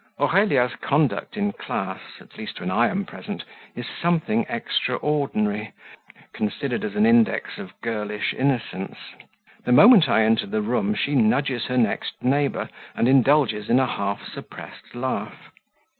Aurelia's conduct in class, at least when I am present, is something extraordinary, considered as an index of girlish innocence. The moment I enter the room, she nudges her next neighbour and indulges in a half suppressed laugh.